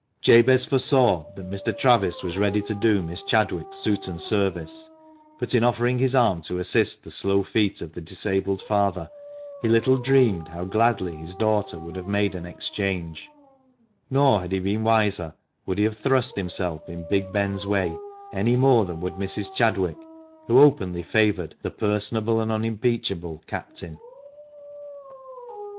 Jabez foresaw that Mr. Travis was ready to do Miss Chadwick suit and service ; but in offering his arm to assist the slow feet of the disabled father, he little dreamed how gladly the daughter would have made an exchange ; nor, had he been wiser, would he have thrust himself in big Ben's way, any more than would Mrs. Chadwick, who openly favoured the "personable and unimpeachable" captain.